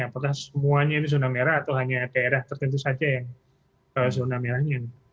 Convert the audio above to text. apakah semuanya ini zona merah atau hanya daerah tertentu saja yang zona merahnya